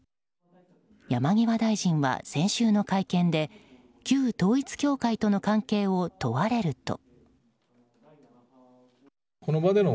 山際大臣は先週の会見で旧統一教会との関係を問われると。